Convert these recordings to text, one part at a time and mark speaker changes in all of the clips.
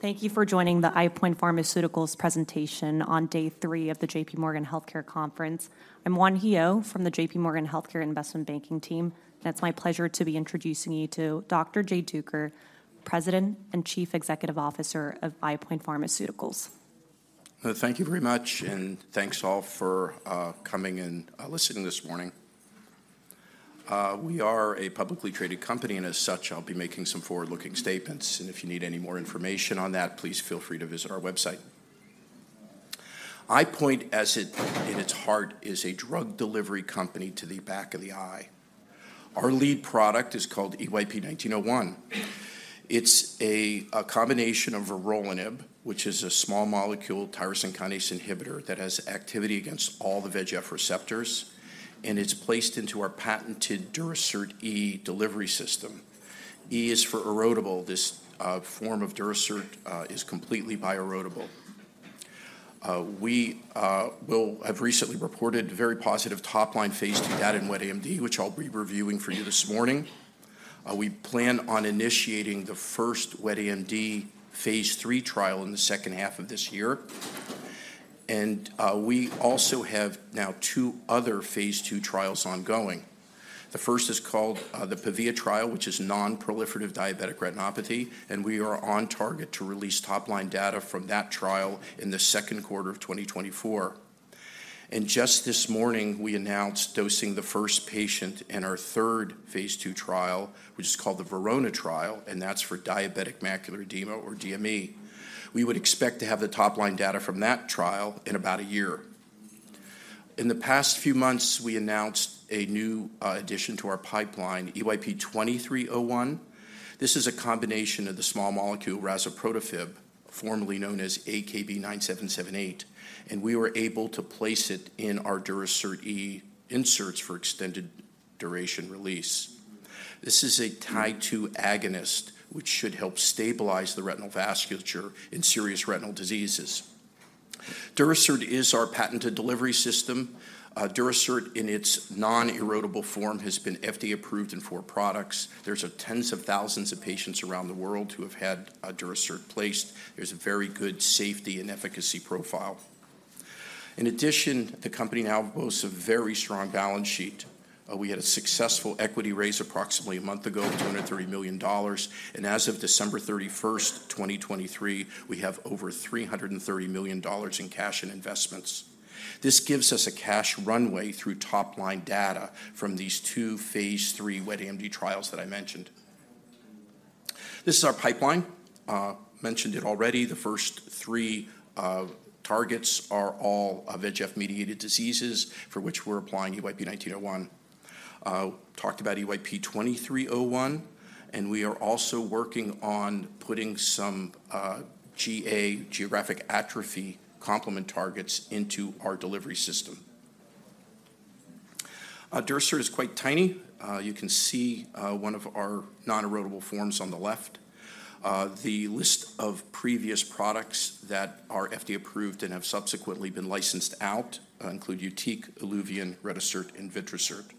Speaker 1: Thank you for joining the EyePoint Pharmaceuticals presentation on day three of the J.P. Morgan Healthcare Conference. I'm Wan Heo from the J.P. Morgan Healthcare Investment Banking team, and it's my pleasure to be introducing you to Dr. Jay Duker, President and Chief Executive Officer of EyePoint Pharmaceuticals.
Speaker 2: Thank you very much, and thanks all for coming and listening this morning. We are a publicly traded company, and as such, I'll be making some forward-looking statements, and if you need any more information on that, please feel free to visit our website. EyePoint, as it in its heart, is a drug delivery company to the back of the eye. Our lead product is called EYP-1901. It's a combination of vorolanib, which is a small molecule tyrosine kinase inhibitor that has activity against all the VEGF receptors, and it's placed into our patented Durasert E™ delivery system. E is for erodible. This form of Durasert is completely bioerodible. We will have recently reported very positive top-line phase 2 data in wet AMD, which I'll be reviewing for you this morning. We plan on initiating the first wet AMD phase 3 trial in the second half of this year, and, we also have now two other phase 2 trials ongoing. The first is called, the PAVIA trial, which is non-proliferative diabetic retinopathy, and we are on target to release top-line data from that trial in the second quarter of 2024. And just this morning, we announced dosing the first patient in our third phase 2 trial, which is called the VERONA trial, and that's for diabetic macular edema or DME. We would expect to have the top-line data from that trial in about a year. In the past few months, we announced a new, addition to our pipeline, EYP-2301. This is a combination of the small molecule razuprotafib, formerly known as AKB-9778, and we were able to place it in our Durasert® E inserts for extended duration release. This is a Tie2 agonist, which should help stabilize the retinal vasculature in serious retinal diseases. Durasert is our patented delivery system. Durasert in its non-erodible form has been FDA approved in four products. There's tens of thousands of patients around the world who have had a Durasert placed. There's a very good safety and efficacy profile. In addition, the company now boasts a very strong balance sheet. We had a successful equity raise approximately a month ago, $230 million, and as of December thirty-first, 2023, we have over $330 million in cash and investments. This gives us a cash runway through top-line data from these two Phase 3 wet AMD trials that I mentioned. This is our pipeline. Mentioned it already. The first three targets are all VEGF-mediated diseases for which we're applying EYP-1901. Talked about EYP-2301, and we are also working on putting some GA, Geographic Atrophy complement targets into our delivery system. Durasert is quite tiny. You can see one of our non-erodible forms on the left. The list of previous products that are FDA approved and have subsequently been licensed out include YUTIQ, ILUVIEN, Retisert, and Vitrasert.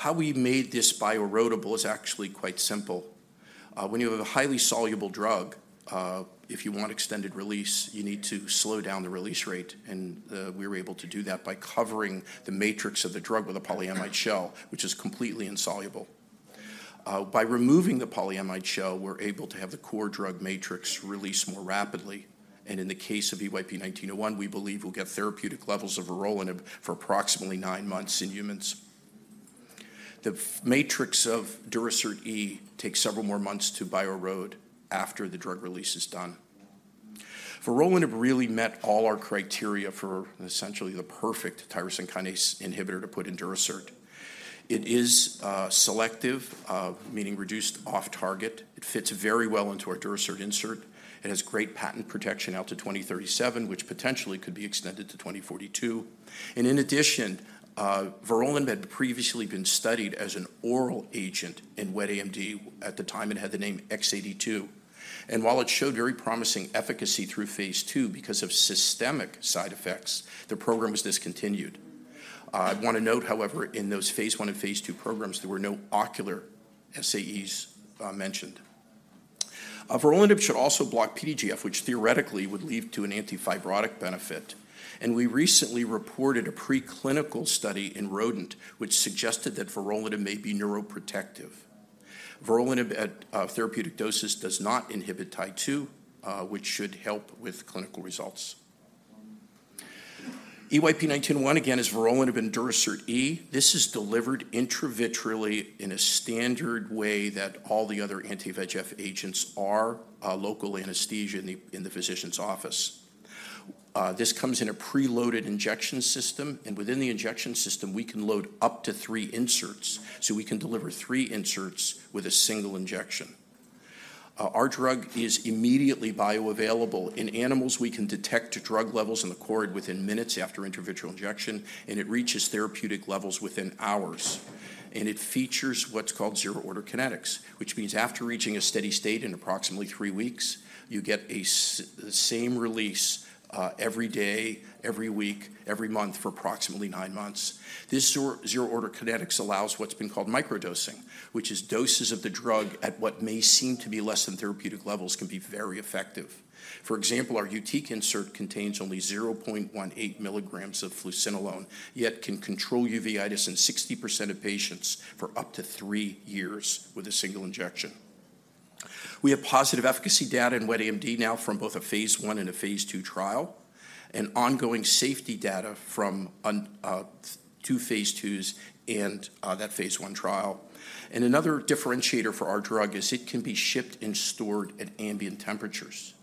Speaker 2: How we made this bioerodible is actually quite simple. When you have a highly soluble drug, if you want extended release, you need to slow down the release rate, and we were able to do that by covering the matrix of the drug with a polyimide shell, which is completely insoluble. By removing the polyimide shell, we're able to have the core drug matrix release more rapidly, and in the case of EYP-1901, we believe we'll get therapeutic levels of vorolanib for approximately nine months in humans. The matrix of Durasert E™ takes several more months to bioerode after the drug release is done. Vorolanib really met all our criteria for essentially the perfect tyrosine kinase inhibitor to put in Durasert. It is selective, meaning reduced off-target. It fits very well into our Durasert insert. It has great patent protection out to 2037, which potentially could be extended to 2042. In addition, vorolanib had previously been studied as an oral agent in wet AMD. At the time, it had the name X-82. While it showed very promising efficacy through phase II, because of systemic side effects, the program was discontinued. I'd want to note, however, in those phase I and phase II programs, there were no ocular SAEs mentioned. Vorolanib should also block PDGF, which theoretically would lead to an antifibrotic benefit, and we recently reported a preclinical study in rodent, which suggested that vorolanib may be neuroprotective. Vorolanib at therapeutic doses does not inhibit Tie2, which should help with clinical results. EYP-1901, again, is vorolanib in Durasert E™. This is delivered intravitreally in a standard way that all the other anti-VEGF agents are, local anesthesia in the physician's office. This comes in a preloaded injection system, and within the injection system, we can load up to three inserts, so we can deliver three inserts with a single injection. Our drug is immediately bioavailable. In animals, we can detect drug levels in the cord within minutes after intravitreal injection, and it reaches therapeutic levels within hours. It features what's called zero-order kinetics, which means after reaching a steady state in approximately three weeks, you get the same release every day, every week, every month for approximately nine months. This zero-order kinetics allows what's been called microdosing, which is doses of the drug at what may seem to be less than therapeutic levels, can be very effective. For example, our YUTIQ insert contains only 0.18 milligrams of fluocinolone, yet can control uveitis in 60% of patients for up to three years with a single injection. We have positive efficacy data in wet AMD now from both a phase 1 and a phase 2 trial, and ongoing safety data from two phase 2s and that phase 1 trial. Another differentiator for our drug is it can be shipped and stored at ambient temperatures.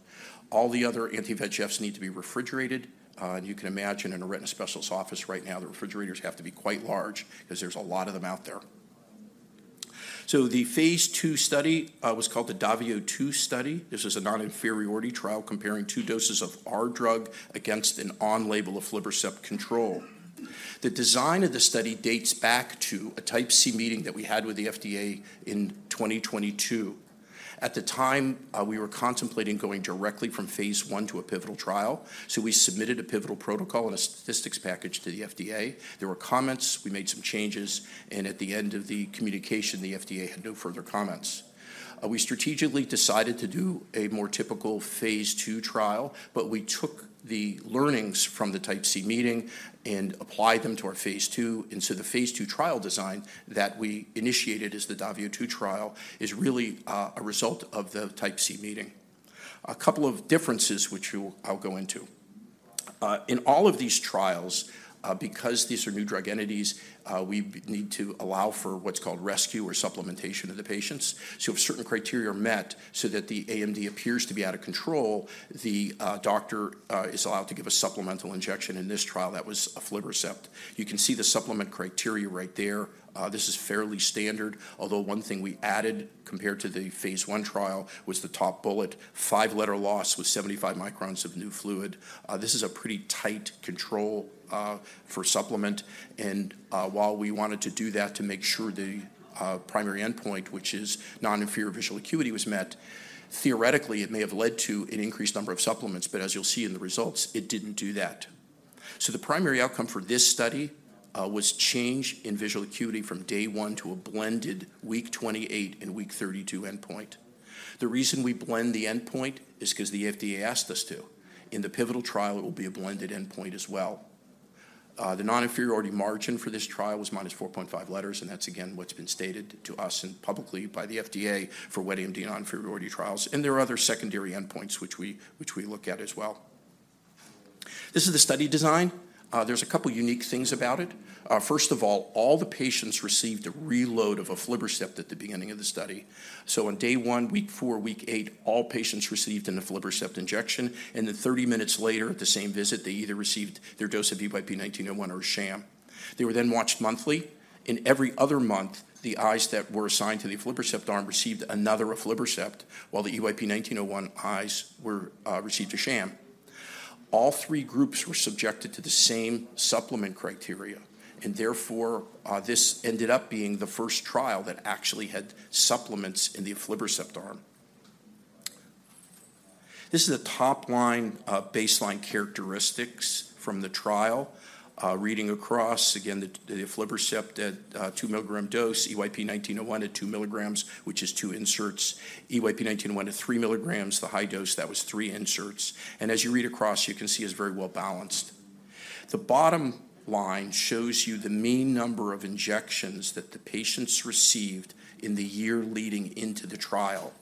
Speaker 2: All the other anti-VEGFs need to be refrigerated. And you can imagine in a retina specialist office right now, the refrigerators have to be quite large because there's a lot of them out there. So the phase 2 study was called the DAVIO 2 study. This is a non-inferiority trial comparing two doses of our drug against an on-label aflibercept control. The design of the study dates back to a Type C meeting that we had with the FDA in 2022. At the time, we were contemplating going directly from phase 1 to a pivotal trial, so we submitted a pivotal protocol and a statistics package to the FDA. There were comments, we made some changes, and at the end of the communication, the FDA had no further comments. We strategically decided to do a more typical phase 2 trial, but we took the learnings from the Type C meeting and applied them to our phase 2. And so the phase 2 trial design that we initiated as the DAVIO 2 trial is really a result of the Type C meeting. A couple of differences which we'll, I'll go into. In all of these trials, because these are new drug entities, we need to allow for what's called rescue or supplementation of the patients. So if certain criteria are met so that the AMD appears to be out of control, the doctor is allowed to give a supplemental injection. In this trial, that was aflibercept. You can see the supplement criteria right there. This is fairly standard, although one thing we added compared to the phase 1 trial was the top bullet, five-letter loss with 75 microns of new fluid. This is a pretty tight control for supplement, and while we wanted to do that to make sure the primary endpoint, which is non-inferior visual acuity, was met, theoretically, it may have led to an increased number of supplements, but as you'll see in the results, it didn't do that. The primary outcome for this study was change in visual acuity from day 1 to a blended week 28 and week 32 endpoint. The reason we blend the endpoint is because the FDA asked us to. In the pivotal trial, it will be a blended endpoint as well. The non-inferiority margin for this trial was -4.5 letters, and that's, again, what's been stated to us and publicly by the FDA for wet AMD non-inferiority trials. There are other secondary endpoints which we look at as well. This is the study design. There's a couple unique things about it. First of all, all the patients received a reload of aflibercept at the beginning of the study. So on day one, week four, week eight, all patients received an aflibercept injection, and then 30 minutes later, at the same visit, they either received their dose of EYP-1901 or a sham. They were then watched monthly. In every other month, the eyes that were assigned to the aflibercept arm received another aflibercept, while the EYP-1901 eyes were received a sham. All three groups were subjected to the same supplement criteria, and therefore, this ended up being the first trial that actually had supplements in the aflibercept arm. This is a top-line baseline characteristics from the trial. Reading across, again, the aflibercept at 2 milligram dose, EYP-1901 at 2 milligrams, which is two inserts, EYP-1901 at 3 milligrams, the high dose, that was three inserts. As you read across, you can see it's very well-balanced. The bottom line shows you the mean number of injections that the patients received in the year leading into the trial,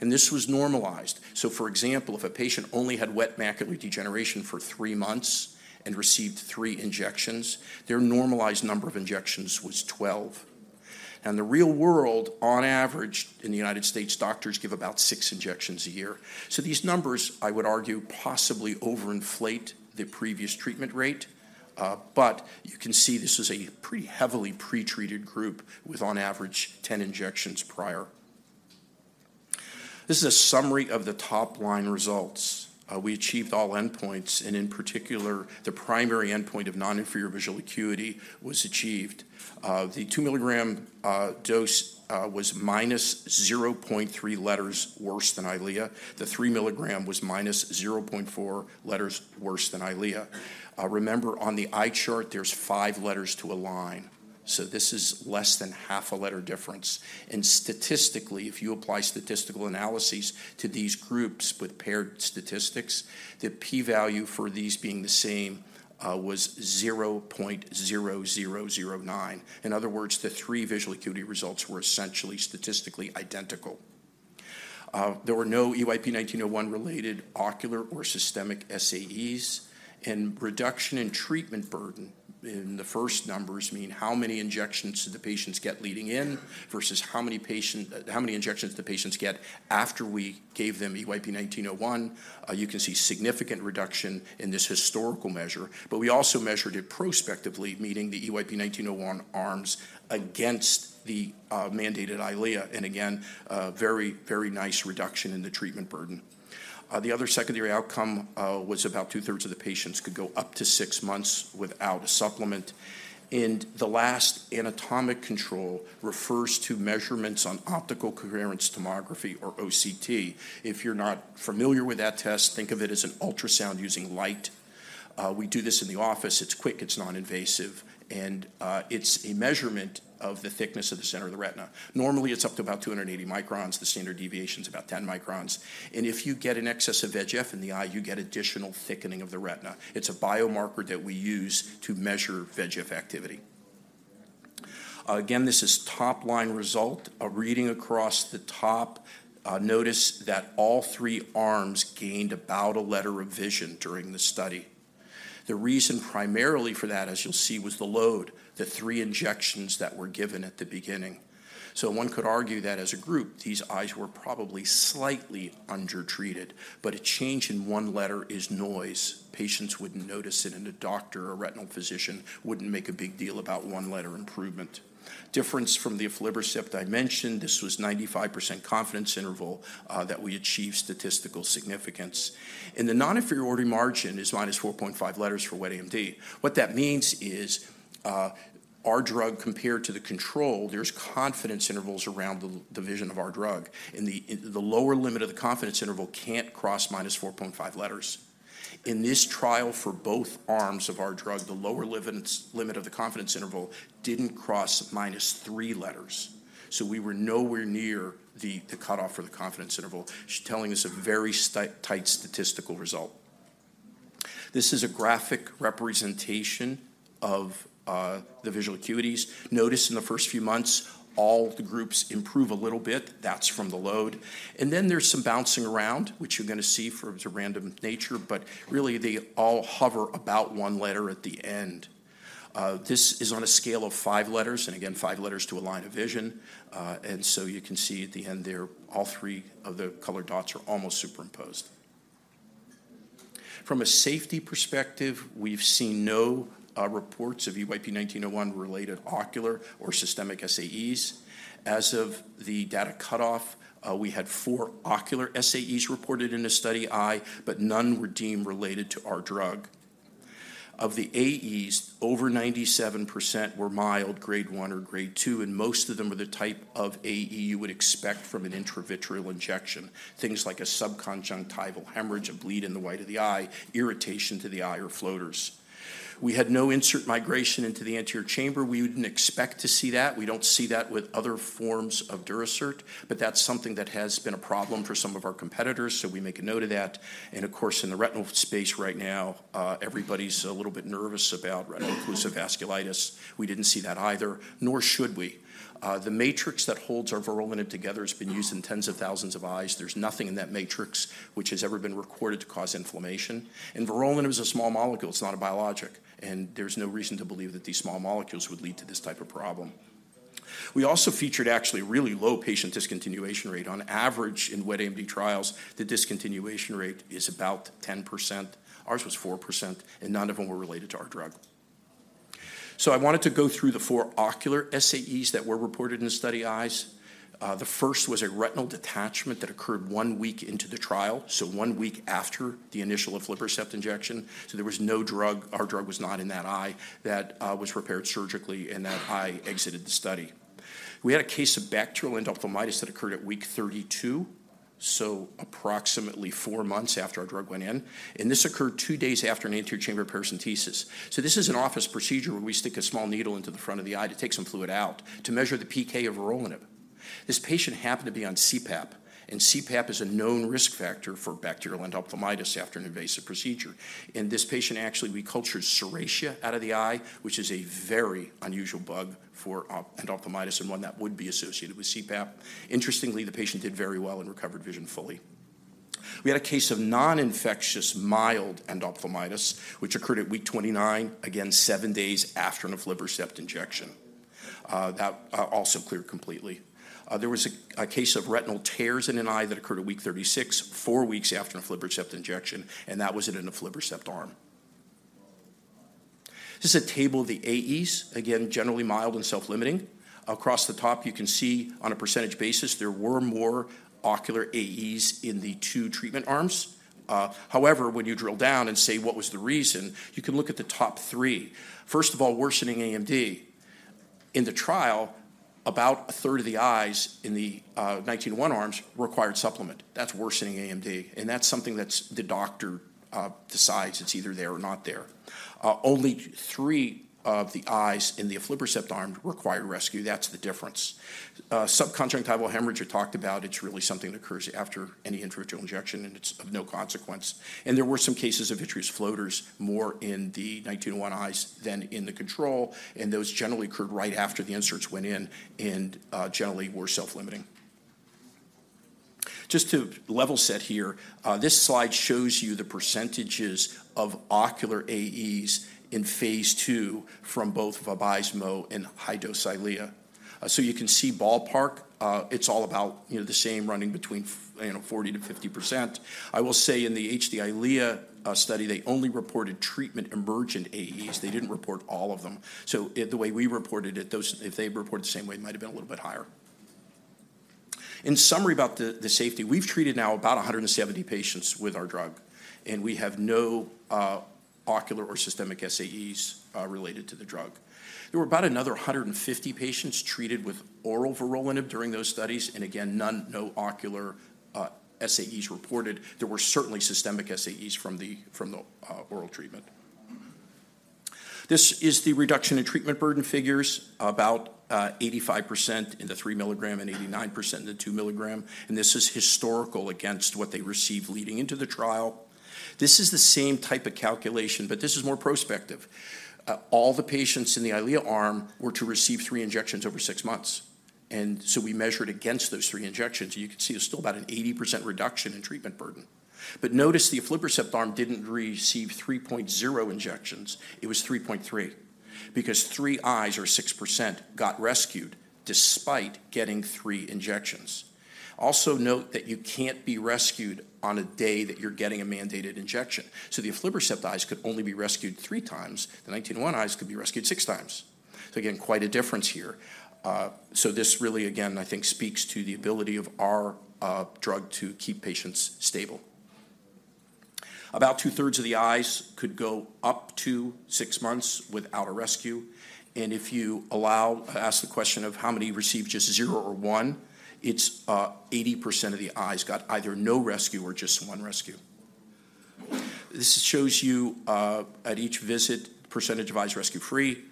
Speaker 2: and this was normalized. So, for example, if a patient only had wet macular degeneration for three months and received three injections, their normalized number of injections was 12. And the real world, on average, in the United States, doctors give about six injections a year. So these numbers, I would argue, possibly overinflate the previous treatment rate, but you can see this is a pretty heavily pretreated group with on average, 10 injections prior. This is a summary of the top-line results. We achieved all endpoints, and in particular, the primary endpoint of non-inferior visual acuity was achieved. The 2-milligram dose was minus 0.3 letters worse than Eylea. The 3 milligram was -0.4 letters worse than Eylea. Remember, on the eye chart, there's five letters to a line, so this is less than half a letter difference. Statistically, if you apply statistical analyses to these groups with paired statistics, the p-value for these being the same was 0.0009. In other words, the three visual acuity results were essentially statistically identical. There were no EYP-1901-related ocular or systemic SAEs, and reduction in treatment burden in the first numbers mean how many injections did the patients get leading in versus how many injections the patients get after we gave them EYP-1901. You can see significant reduction in this historical measure, but we also measured it prospectively, meaning the EYP-1901 arms against the mandated Eylea, and again, a very, very nice reduction in the treatment burden. The other secondary outcome was about two-thirds of the patients could go up to six months without a supplement. And the last anatomic control refers to measurements on optical coherence tomography or OCT. If you're not familiar with that test, think of it as an ultrasound using light. We do this in the office. It's quick, it's non-invasive, and it's a measurement of the thickness of the center of the retina. Normally, it's up to about 280 microns. The standard deviation is about 10 microns. And if you get an excess of VEGF in the eye, you get additional thickening of the retina. It's a biomarker that we use to measure VEGF activity.... Again, this is top-line result, a reading across the top. Notice that all three arms gained about a letter of vision during the study. The reason primarily for that, as you'll see, was the load, the three injections that were given at the beginning. So one could argue that as a group, these eyes were probably slightly undertreated, but a change in one letter is noise. Patients wouldn't notice it, and a doctor or retinal physician wouldn't make a big deal about one letter improvement. Difference from the aflibercept I mentioned, this was 95% confidence interval that we achieved statistical significance. And the non-inferiority margin is -4.5 letters for wet AMD. What that means is, our drug compared to the control, there's confidence intervals around the vision of our drug, and the lower limit of the confidence interval can't cross minus 4.5 letters. In this trial, for both arms of our drug, the lower limit of the confidence interval didn't cross minus three letters. So we were nowhere near the cutoff for the confidence interval, telling us a very tight statistical result. This is a graphic representation of the visual acuities. Notice in the first few months, all the groups improve a little bit. That's from the load. And then there's some bouncing around, which you're gonna see for its random nature, but really, they all hover about one letter at the end. This is on a scale of five letters, and again, five letters to a line of vision. And so you can see at the end there, all three of the colored dots are almost superimposed. From a safety perspective, we've seen no reports of EYP-1901-related ocular or systemic SAEs. As of the data cutoff, we had four ocular SAEs reported in a study eye, but none were deemed related to our drug. Of the AEs, over 97% were mild, Grade one or Grade two, and most of them were the type of AE you would expect from an intravitreal injection. Things like a subconjunctival hemorrhage, a bleed in the white of the eye, irritation to the eye, or floaters. We had no insert migration into the anterior chamber. We wouldn't expect to see that. We don't see that with other forms of Durasert, but that's something that has been a problem for some of our competitors, so we make a note of that. And of course, in the retinal space right now, everybody's a little bit nervous about Retinal Occlusive Vasculitis. We didn't see that either, nor should we. The matrix that holds our vorolanib together has been used in tens of thousands of eyes. There's nothing in that matrix which has ever been recorded to cause inflammation. And vorolanib is a small molecule, it's not a biologic, and there's no reason to believe that these small molecules would lead to this type of problem. We also featured actually really low patient discontinuation rate. On average, in wet AMD trials, the discontinuation rate is about 10%. Ours was 4%, and none of them were related to our drug. So I wanted to go through the four ocular SAEs that were reported in the study eyes. The first was a retinal detachment that occurred one week into the trial, so one week after the initial aflibercept injection. There was no drug. Our drug was not in that eye. That was repaired surgically, and that eye exited the study. We had a case of bacterial endophthalmitis that occurred at week 32, so approximately four months after our drug went in, and this occurred two days after an anterior chamber paracentesis. This is an office procedure where we stick a small needle into the front of the eye to take some fluid out to measure the PK of vorolanib. This patient happened to be on CPAP, and CPAP is a known risk factor for bacterial endophthalmitis after an invasive procedure. And this patient, actually, we cultured Serratia out of the eye, which is a very unusual bug for endophthalmitis and one that would be associated with CPAP. Interestingly, the patient did very well and recovered vision fully. We had a case of non-infectious, mild endophthalmitis, which occurred at week 29, again, seven days after an aflibercept injection. That also cleared completely. There was a case of retinal tears in an eye that occurred at week 36, four weeks after an aflibercept injection, and that was in an aflibercept arm. This is a table of the AEs, again, generally mild and self-limiting. Across the top, you can see on a percentage basis, there were more ocular AEs in the two treatment arms. However, when you drill down and say, what was the reason, you can look at the top three. First of all, worsening AMD. In the trial, about a third of the eyes in the 1901 arms required supplement. That's worsening AMD, and that's something that the doctor decides it's either there or not there. Only three of the eyes in the aflibercept arm required rescue. That's the difference. Subconjunctival hemorrhage, I talked about, it's really something that occurs after any intravitreal injection, and it's of no consequence. And there were some cases of vitreous floaters, more in the 1901 eyes than in the control, and those generally occurred right after the inserts went in and generally were self-limiting. Just to level set here, this slide shows you the percentages of ocular AEs in phase 2 from both Vabysmo and high-dose Eylea. So you can see ballpark, it's all about, you know, the same running between, you know, 40%-50%. I will say in the Eylea HD study, they only reported treatment-emergent AEs. They didn't report all of them. So in the way we reported it, those-- if they reported the same way, it might have been a little bit higher. In summary, about the safety, we've treated now about 170 patients with our drug, and we have no ocular or systemic SAEs related to the drug. There were about another 150 patients treated with oral vorolanib during those studies, and again, none, no ocular SAEs reported. There were certainly systemic SAEs from the oral treatment. This is the reduction in treatment burden figures, about 85% in the 3 milligram and 89% in the 2 milligram, and this is historical against what they received leading into the trial. This is the same type of calculation, but this is more prospective. All the patients in the Eylea arm were to receive three injections over six months, and so we measured against those three injections, and you can see there's still about an 80% reduction in treatment burden. But notice the aflibercept arm didn't receive 3.0 injections, it was 3.3, because three eyes or 6% got rescued despite getting three injections. Also note that you can't be rescued on a day that you're getting a mandated injection. So the aflibercept eyes could only be rescued three times. The 1901 eyes could be rescued six times. So again, quite a difference here. So this really, again, I think, speaks to the ability of our drug to keep patients stable. About two-thirds of the eyes could go up to six months without a rescue, and if you ask the question of how many received just zero or one, it's 80% of the eyes got either no rescue or just one rescue. This shows you at each visit, percentage of eyes rescue-free.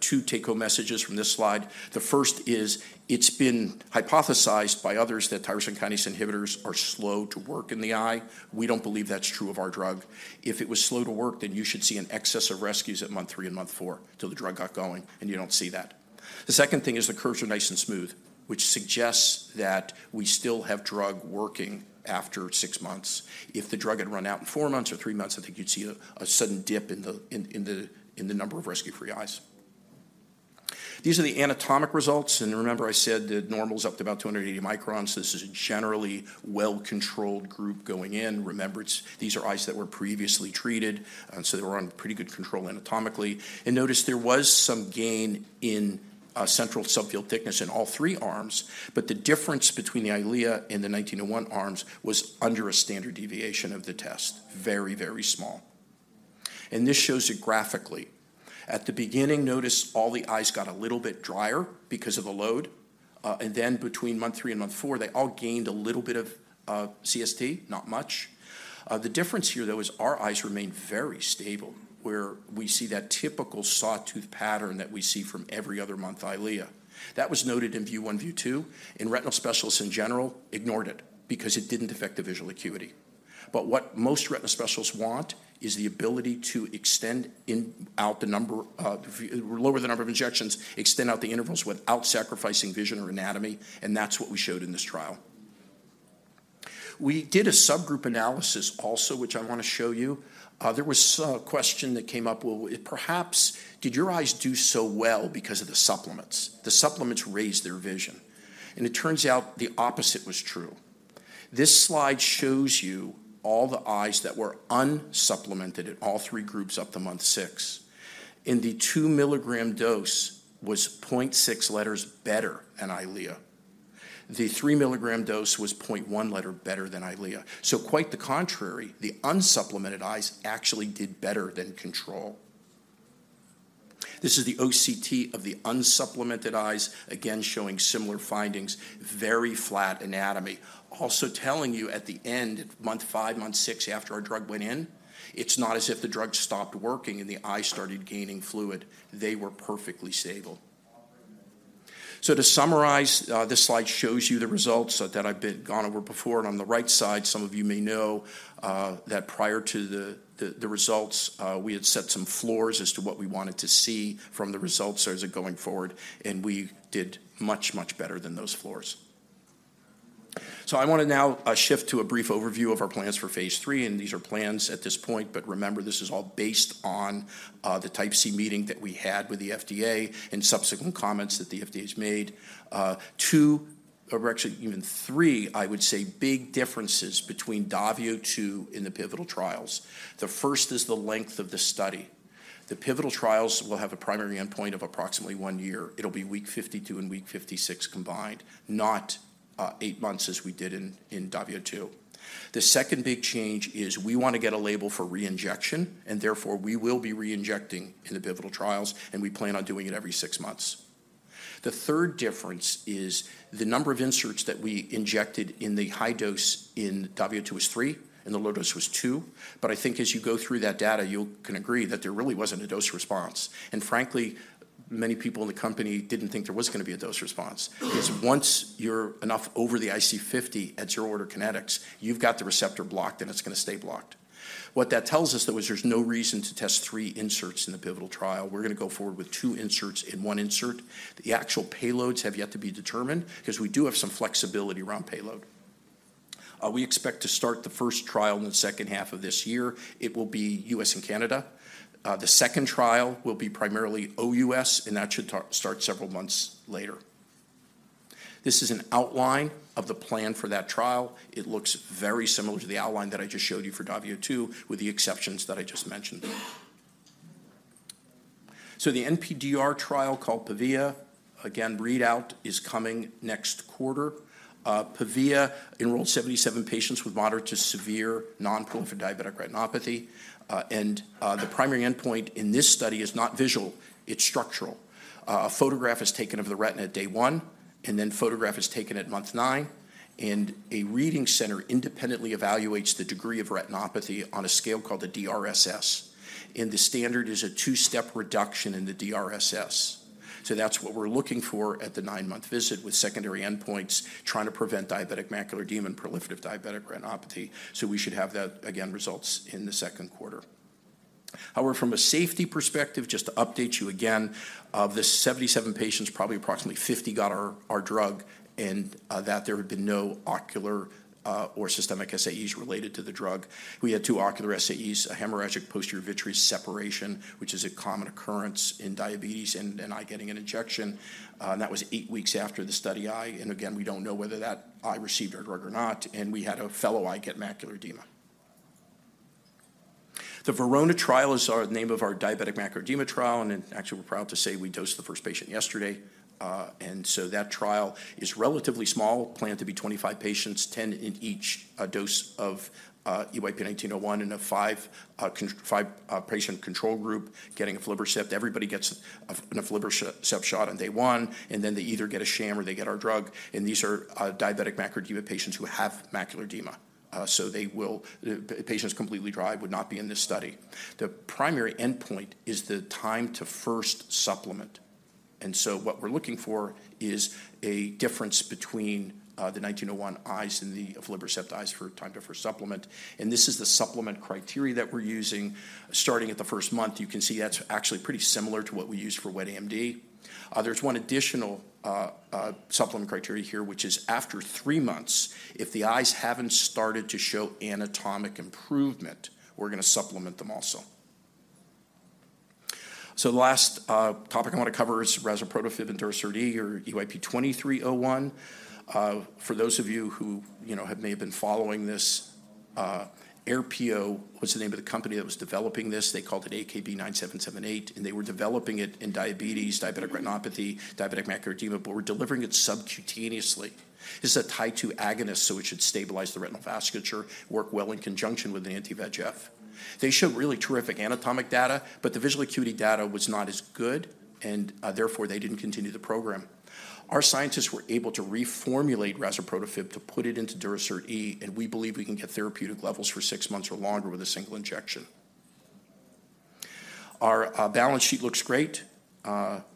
Speaker 2: Two take-home messages from this slide. The first is, it's been hypothesized by others that tyrosine kinase inhibitors are slow to work in the eye. We don't believe that's true of our drug. If it was slow to work, then you should see an excess of rescues at month three and month four, till the drug got going, and you don't see that. The second thing is the curves are nice and smooth, which suggests that we still have drug working after six months. If the drug had run out in four months or three months, I think you'd see a sudden dip in the number of rescue-free eyes. These are the anatomic results, and remember I said that normal is up to about 280 microns. This is a generally well-controlled group going in. Remember, it's these are eyes that were previously treated, and so they were on pretty good control anatomically. And notice there was some gain in central subfield thickness in all three arms, but the difference between the Eylea and the 1901 arms was under a standard deviation of the test. Very, very small. And this shows it graphically. At the beginning, notice all the eyes got a little bit drier because of the load. And then between month three and month four, they all gained a little bit of CST, not much. The difference here, though, is our eyes remained very stable, where we see that typical sawtooth pattern that we see from every other month Eylea. That was noted in VIEW 1, VIEW 2, and retinal specialists in general ignored it because it didn't affect the visual acuity. But what most retinal specialists want is the ability to extend in-- out the number of... lower the number of injections, extend out the intervals without sacrificing vision or anatomy, and that's what we showed in this trial. We did a subgroup analysis also, which I want to show you. There was a question that came up: Well, perhaps, did your eyes do so well because of the supplements? The supplements raised their vision. And it turns out the opposite was true. This slide shows you all the eyes that were unsupplemented at all three groups up to month six. In the 2-milligram dose was 0.6 letters better than Eylea. The 3-milligram dose was 0.1 letter better than Eylea. So quite the contrary, the unsupplemented eyes actually did better than control. This is the OCT of the unsupplemented eyes, again, showing similar findings, very flat anatomy. Also telling you at the end, month five, month six, after our drug went in, it's not as if the drug stopped working and the eye started gaining fluid. They were perfectly stable. To summarize, this slide shows you the results that I've gone over before, and on the right side, some of you may know that prior to the results, we had set some floors as to what we wanted to see from the results as of going forward, and we did much, much better than those floors. I want to now shift to a brief overview of our plans for phase 3, and these are plans at this point, but remember, this is all based on the Type C meeting that we had with the FDA and subsequent comments that the FDA has made two, or actually even three, I would say, big differences between DAVIO 2 in the pivotal trials. The first is the length of the study. The pivotal trials will have a primary endpoint of approximately one year. It'll be week 52 and week 56 combined, not eight months, as we did in DAVIO 2. The second big change is we want to get a label for re-injection, and therefore, we will be re-injecting in the pivotal trials, and we plan on doing it every six months. The third difference is the number of inserts that we injected in the high dose in DAVIO 2 was three, and the low dose was two. But I think as you go through that data, you can agree that there really wasn't a dose response. And frankly, many people in the company didn't think there was gonna be a dose response, because once you're enough over the IC50 at zero-order kinetics, you've got the receptor blocked, and it's gonna stay blocked. What that tells us, though, is there's no reason to test three inserts in the pivotal trial. We're gonna go forward with two inserts and one insert. The actual payloads have yet to be determined because we do have some flexibility around payload. We expect to start the first trial in the second half of this year. It will be U.S. and Canada. The second trial will be primarily OUS, and that should start several months later. This is an outline of the plan for that trial. It looks very similar to the outline that I just showed you for DAVIO 2, with the exceptions that I just mentioned. So the NPDR trial, called PAVIA, again, readout is coming next quarter. PAVIA enrolled 77 patients with moderate to severe non-proliferative diabetic retinopathy, and the primary endpoint in this study is not visual, it's structural. A photograph is taken of the retina at day one, and then a photograph is taken at month nine, and a reading center independently evaluates the degree of retinopathy on a scale called the DRSS, and the standard is a two-step reduction in the DRSS. So that's what we're looking for at the nine-month visit, with secondary endpoints trying to prevent diabetic macular edema and proliferative diabetic retinopathy. So we should have that, again, results in the second quarter. However, from a safety perspective, just to update you again, of the 77 patients, probably approximately 50 got our drug, and that there had been no ocular or systemic SAEs related to the drug. We had two ocular SAEs, a hemorrhagic posterior vitreous separation, which is a common occurrence in diabetes, and an eye getting an injection, and that was eight weeks after the study eye. And again, we don't know whether that eye received our drug or not, and we had a fellow eye get macular edema. The VERONA trial is our name of our diabetic macular edema trial, and then actually, we're proud to say we dosed the first patient yesterday. And so that trial is relatively small, planned to be 25 patients, 10 in each, a dose of EYP-1901, and a five-patient control group getting aflibercept. Everybody gets an aflibercept shot on day one, and then they either get a sham or they get our drug, and these are diabetic macular edema patients who have macular edema. So they will, a patient who's completely dry would not be in this study. The primary endpoint is the time to first supplement, and so what we're looking for is a difference between the 1901 eyes and the aflibercept eyes for time to first supplement. And this is the supplement criteria that we're using. Starting at the first month, you can see that's actually pretty similar to what we use for wet AMD. There's one additional supplement criteria here, which is after three months, if the eyes haven't started to show anatomic improvement, we're going to supplement them also. So the last topic I want to cover is razuprotafib Durasert E or EYP-2301. For those of you who, you know, may have been following this, Aerpio was the name of the company that was developing this. They called it AKB-9778, and they were developing it in diabetes, diabetic retinopathy, diabetic macular edema, but were delivering it subcutaneously. This is a Tie2 agonist, so it should stabilize the retinal vasculature, work well in conjunction with the anti-VEGF. They showed really terrific anatomic data, but the visual acuity data was not as good, and, therefore, they didn't continue the program. Our scientists were able to reformulate razuprotafib to put it into Durasert E, and we believe we can get therapeutic levels for six months or longer with a single injection. Our balance sheet looks great.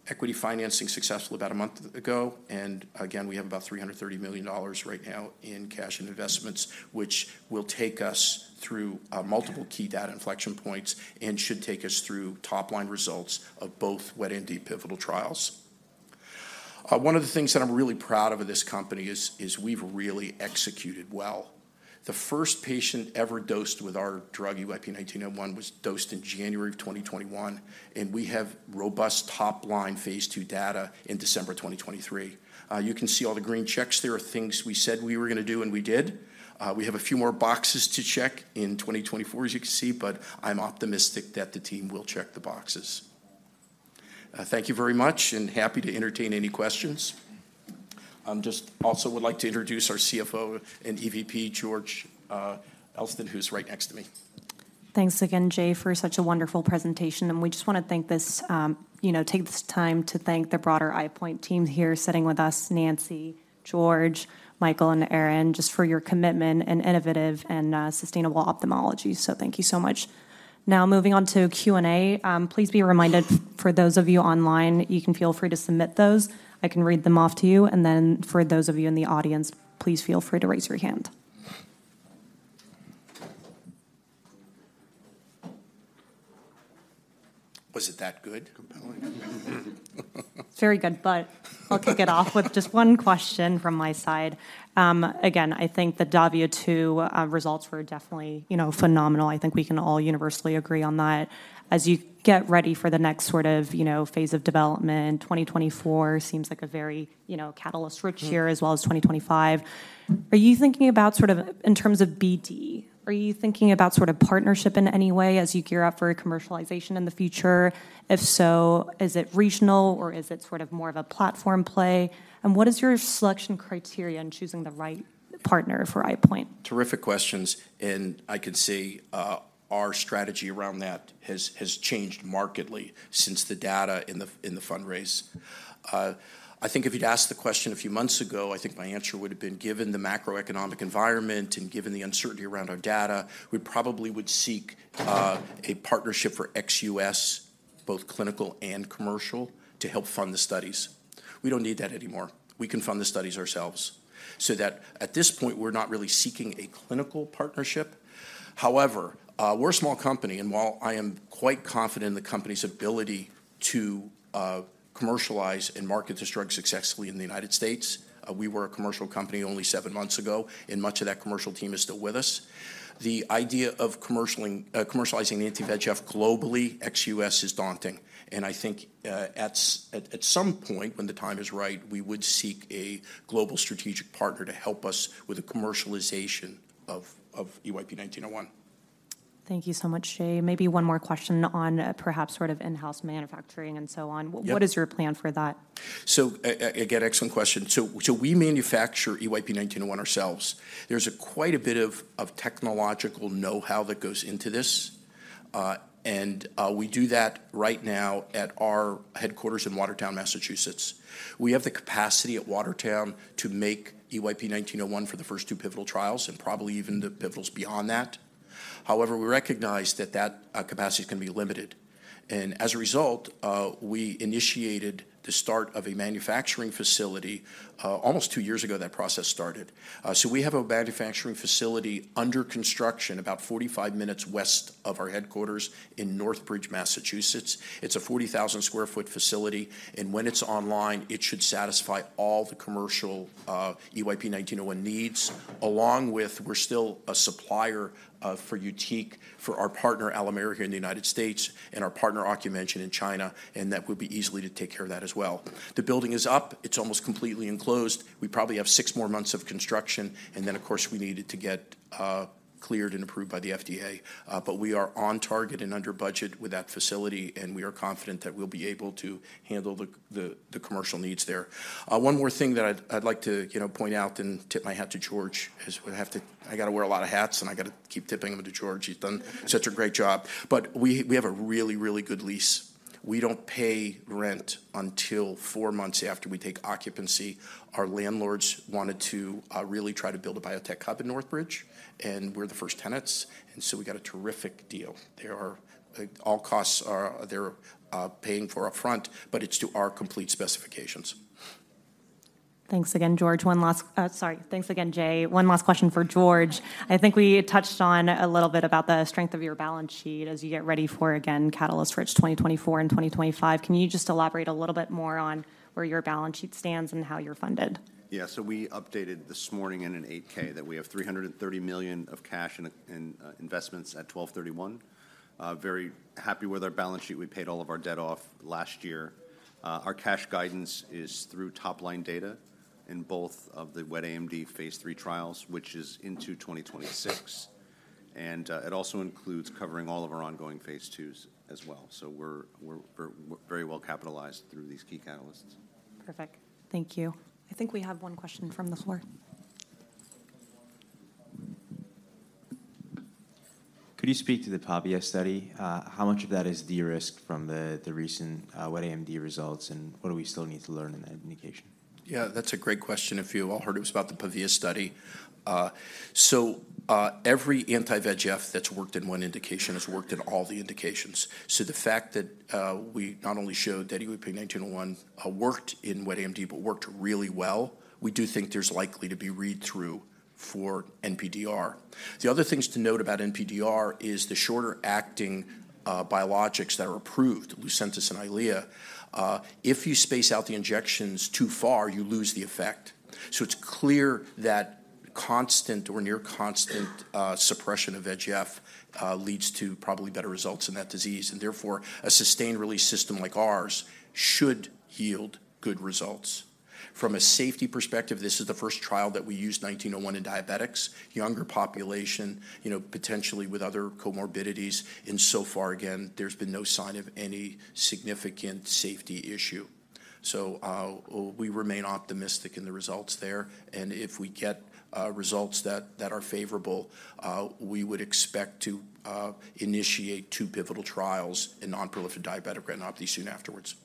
Speaker 2: Equity financing successful about a month ago, and again, we have about $330 million right now in cash and investments, which will take us through multiple key data inflection points and should take us through top-line results of both wet and pivotal trials. One of the things that I'm really proud of in this company is, is we've really executed well. The first patient ever dosed with our drug, EYP-1901, was dosed in January 2021, and we have robust top-line phase 2 data in December 2023. You can see all the green checks. There are things we said we were going to do, and we did. We have a few more boxes to check in 2024, as you can see, but I'm optimistic that the team will check the boxes. Thank you very much, and happy to entertain any questions. I'm just also would like to introduce our CFO and EVP, George Elston, who's right next to me.
Speaker 1: Thanks again, Jay, for such a wonderful presentation, and we just want to thank this, you know, take this time to thank the broader EyePoint team here sitting with us, Nancy, George, Michael, and Erin, just for your commitment in innovative and sustainable ophthalmology. So thank you so much. Now, moving on to Q&A. Please be reminded, for those of you online, you can feel free to submit those. I can read them off to you, and then for those of you in the audience, please feel free to raise your hand.
Speaker 2: Was it that good?
Speaker 3: Compelling.
Speaker 1: Very good, but I'll kick it off with just one question from my side. Again, I think the DAVIO 2 results were definitely, you know, phenomenal. I think we can all universally agree on that. As you get ready for the next sort of, you know, phase of development, 2024 seems like a very, you know, catalyst-rich year, as well as 2025. Are you thinking about sort of, in terms of BD, are you thinking about sort of partnership in any way as you gear up for a commercialization in the future? If so, is it regional, or is it sort of more of a platform play, and what is your selection criteria in choosing the right partner for EyePoint?
Speaker 2: Terrific questions, and I can say, our strategy around that has changed markedly since the data in the fundraise. I think if you'd asked the question a few months ago, I think my answer would have been, given the macroeconomic environment and given the uncertainty around our data, we probably would seek a partnership for ex-US, both clinical and commercial, to help fund the studies. We don't need that anymore. We can fund the studies ourselves, so that at this point, we're not really seeking a clinical partnership. However, we're a small company, and while I am quite confident in the company's ability to commercialize and market this drug successfully in the United States, we were a commercial company only seven months ago, and much of that commercial team is still with us. The idea of commercializing the Anti-VEGF globally, ex US, is daunting, and I think, at some point, when the time is right, we would seek a global strategic partner to help us with the commercialization of EYP-1901.
Speaker 1: Thank you so much, Jay. Maybe one more question on, perhaps sort of in-house manufacturing and so on.
Speaker 2: Yep.
Speaker 1: What is your plan for that?
Speaker 2: So, again, excellent question. So, we manufacture EYP-1901 ourselves. There's quite a bit of technological know-how that goes into this, and we do that right now at our headquarters in Watertown, Massachusetts. We have the capacity at Watertown to make EYP-1901 for the first two pivotal trials and probably even the pivotals beyond that. However, we recognize that capacity is going to be limited... and as a result, we initiated the start of a manufacturing facility. Almost two years ago, that process started. So, we have a manufacturing facility under construction about 45 minutes west of our headquarters in Northbridge, Massachusetts. It's a 40,000-sq-ft facility, and when it's online, it should satisfy all the commercial, EYP-1901 needs, along with we're still a supplier, for YUTIQ, for our partner Alimera here in the United States, and our partner Ocumension in China, and that would be easy to take care of that as well. The building is up. It's almost completely enclosed. We probably have six more months of construction, and then, of course, we need it to get, cleared and approved by the FDA. But we are on target and under budget with that facility, and we are confident that we'll be able to handle the commercial needs there. One more thing that I'd like to, you know, point out and tip my hat to George, is I have to—I gotta wear a lot of hats, and I gotta keep tipping them to George. He's done such a great job. But we have a really, really good lease. We don't pay rent until four months after we take occupancy. Our landlords wanted to really try to build a biotech hub in Northbridge, and we're the first tenants, and so we got a terrific deal. All costs are, they're paying for upfront, but it's to our complete specifications.
Speaker 1: Thanks again, George. Thanks again, Jay. One last question for George. I think we touched on a little bit about the strength of your balance sheet as you get ready for, again, catalyst-rich 2024 and 2025. Can you just elaborate a little bit more on where your balance sheet stands and how you're funded?
Speaker 2: Yeah, so we updated this morning in an 8-K that we have $330 million of cash and investments at 12/31. Very happy with our balance sheet. We paid all of our debt off last year. Our cash guidance is through top-line data in both of the wet AMD phase III trials, which is into 2026, and it also includes covering all of our ongoing phase IIs as well. So we're very well capitalized through these key catalysts.
Speaker 1: Perfect. Thank you. I think we have one question from the floor.
Speaker 3: Could you speak to the PAVIA study? How much of that is de-risked from the recent wet AMD results, and what do we still need to learn in that indication?
Speaker 2: Yeah, that's a great question. If you all heard, it was about the PAVIA study. So, every anti-VEGF that's worked in one indication has worked in all the indications. So the fact that we not only showed that EYP-1901 worked in wet AMD, but worked really well, we do think there's likely to be read-through for NPDR. The other things to note about NPDR is the shorter-acting biologics that are approved, Lucentis and Eylea. If you space out the injections too far, you lose the effect. So it's clear that constant or near-constant suppression of VEGF leads to probably better results in that disease, and therefore, a sustained-release system like ours should yield good results. From a safety perspective, this is the first trial that we used EYP-1901 in diabetics, younger population, you know, potentially with other comorbidities, and so far, again, there's been no sign of any significant safety issue. So, we remain optimistic in the results there, and if we get results that are favorable, we would expect to initiate two pivotal trials in non-proliferative diabetic retinopathy soon afterwards.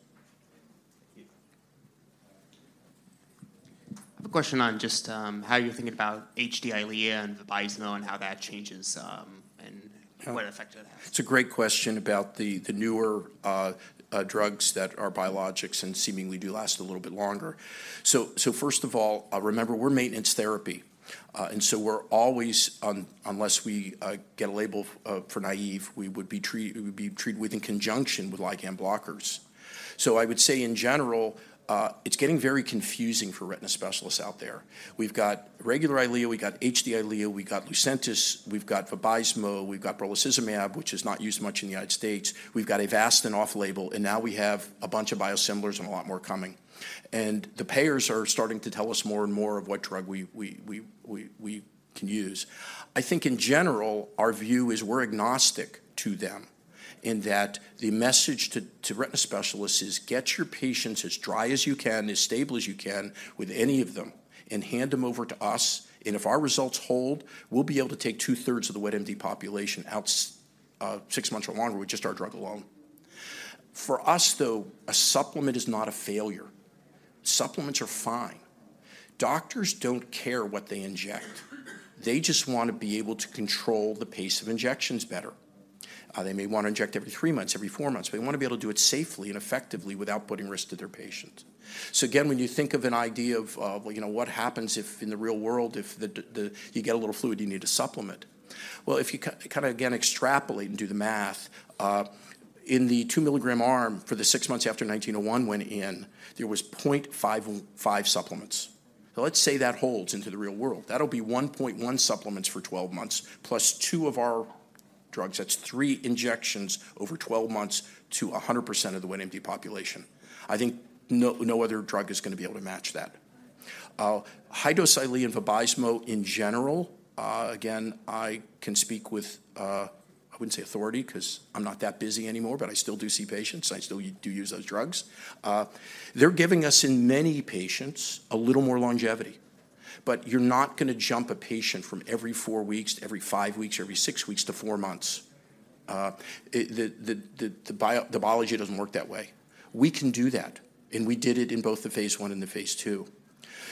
Speaker 3: Thank you. I have a question on just, how you're thinking about HD Eylea and Vabysmo and how that changes, and what effect it has.
Speaker 2: It's a great question about the newer drugs that are biologics and seemingly do last a little bit longer. So first of all, remember, we're maintenance therapy, and so we're always unless we get a label for naive, we would be it would be treated with in conjunction with like and blockers. So I would say in general, it's getting very confusing for retina specialists out there. We've got regular Eylea, we got Eylea HD, we got Lucentis, we've got Vabysmo, we've got brolucizumab, which is not used much in the United States. We've got Avastin off-label, and now we have a bunch of biosimilars and a lot more coming. And the payers are starting to tell us more and more of what drug we can use. I think in general, our view is we're agnostic to them in that the message to, to retina specialists is: get your patients as dry as you can, as stable as you can with any of them, and hand them over to us, and if our results hold, we'll be able to take 2/3 of the wet AMD population out, six months or longer with just our drug alone. For us, though, a supplement is not a failure. Supplements are fine. Doctors don't care what they inject. They just want to be able to control the pace of injections better. They may want to inject every three months, every four months, but they want to be able to do it safely and effectively without putting risk to their patients. So again, when you think of an idea of, you know, what happens if in the real world, if you get a little fluid, you need to supplement? Well, if you kind of, again, extrapolate and do the math, in the 2-milligram arm for the six months after 1901 went in, there was 0.55 supplements. So let's say that holds into the real world. That'll be 1.1 supplements for 12 months, +2 of our drugs. That's three injections over 12 months to 100% of the wet AMD population. I think no, no other drug is going to be able to match that. High-dose Eylea and Vabysmo in general, again, I can speak with, I wouldn't say authority, 'cause I'm not that busy anymore, but I still do see patients. I still do use those drugs. They're giving us, in many patients, a little more longevity, but you're not going to jump a patient from every four weeks to every five weeks, every six weeks to four months. The biology doesn't work that way. We can do that, and we did it in both the phase 1 and the phase 2.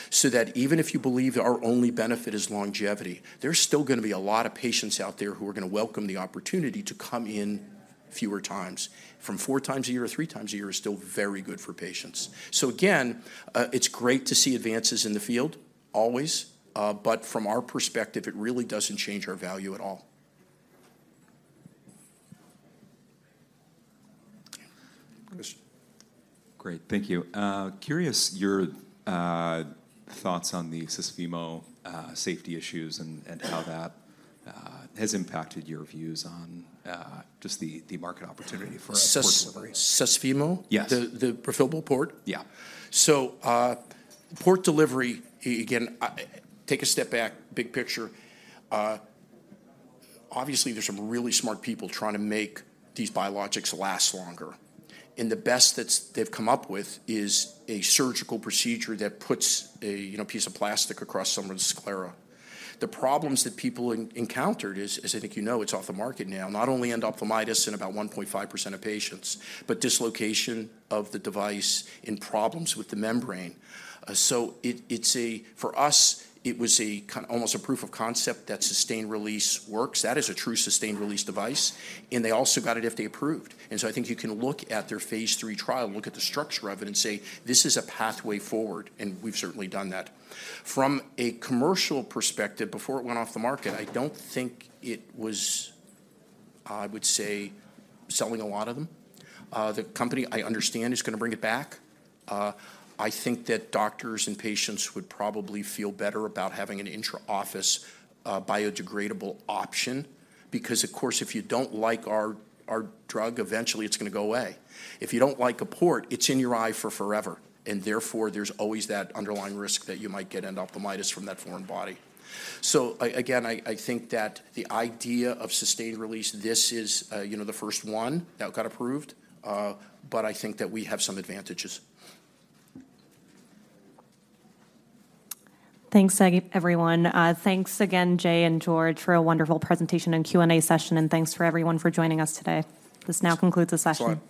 Speaker 2: So that even if you believe that our only benefit is longevity, there's still gonna be a lot of patients out there who are gonna welcome the opportunity to come in fewer times. From four times a year to three times a year is still very good for patients. So again, it's great to see advances in the field, always, but from our perspective, it really doesn't change our value at all.
Speaker 4: Great, thank you. Curious your thoughts on the Susvimo safety issues and how that has impacted your views on just the market opportunity for port delivery.
Speaker 2: Sus- Susvimo?
Speaker 4: Yes.
Speaker 2: The refillable port?
Speaker 4: Yeah.
Speaker 2: So, port delivery, again, I take a step back, big picture. Obviously, there's some really smart people trying to make these biologics last longer, and the best that they've come up with is a surgical procedure that puts a, you know, piece of plastic across someone's sclera. The problems that people encountered is, as I think you know, it's off the market now, not only endophthalmitis in about 1.5% of patients, but dislocation of the device and problems with the membrane. So it, it's a—for us, it was a almost a proof of concept that sustained release works. That is a true sustained release device, and they also got it FDA approved. And so I think you can look at their phase three trial and look at the structure of it and say, "This is a pathway forward," and we've certainly done that. From a commercial perspective, before it went off the market, I don't think it was, I would say, selling a lot of them. The company, I understand, is gonna bring it back. I think that doctors and patients would probably feel better about having an intraoffice, biodegradable option, because, of course, if you don't like our, our drug, eventually it's gonna go away. If you don't like a port, it's in your eye for forever, and therefore, there's always that underlying risk that you might get endophthalmitis from that foreign body. So again, I think that the idea of sustained release. This is, you know, the first one that got approved, but I think that we have some advantages.
Speaker 1: Thanks, again, everyone. Thanks again, Jay and George, for a wonderful presentation and Q&A session, and thanks for everyone for joining us today. This now concludes the session.